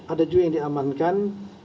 ada juga yang diamankan